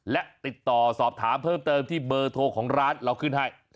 และติดต่อสอบถามเพิ่มเติมที่เบอร์โทรของร้านเราขึ้นให้